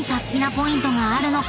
ポイントがあるのか？］